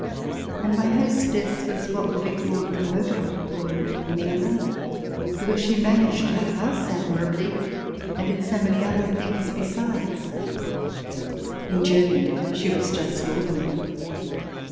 And my hostess was what would be called a notable woman in England, because she managed her house admirably, and did so many other things besides. In Germany she was just ordinary.